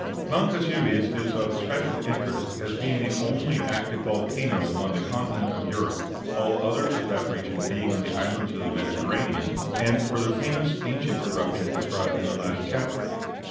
Mount Vesuvius is of especial interest as being the only active volcano on the continent of Europe all others of that region being on the islands of the Mediterranean and for the famous ancient eruption described in the last chapter.